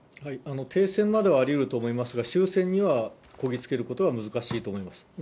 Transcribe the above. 停戦まではありうると思いますが、終戦にはこぎ着けることは難しいと思います。